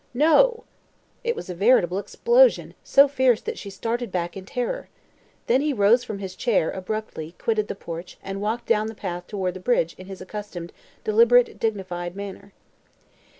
"No!" It was a veritable explosion, so fierce that she started back in terror. Then he rose from his chair, abruptly quitted the porch and walked down the path toward the bridge in his accustomed deliberate, dignified manner.